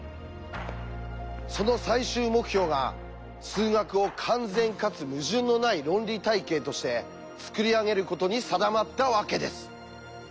その最終目標が数学を完全かつ矛盾のない論理体系として作り上げることに定まったわけです。